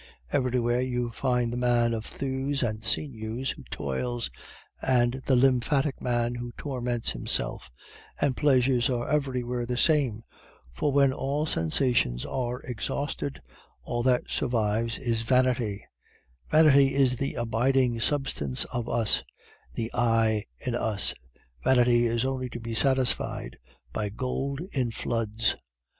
Everywhere you find the man of thews and sinews who toils, and the lymphatic man who torments himself; and pleasures are everywhere the same, for when all sensations are exhausted, all that survives is Vanity Vanity is the abiding substance of us, the I in us. Vanity is only to be satisfied by gold in floods.